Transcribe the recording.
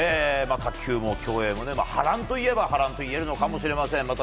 卓球も競泳も波乱といえば波乱というのかもしれません。